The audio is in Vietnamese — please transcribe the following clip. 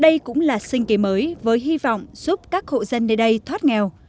đây cũng là sinh kế mới với hy vọng giúp các hộ dân nơi đây thoát nghèo